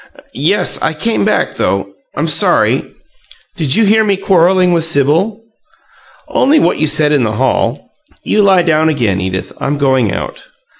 "Yes. I came back, though. I'm sorry " "Did you hear me quarreling with Sibyl?" "Only what you said in the hall. You lie down again, Edith. I'm going out."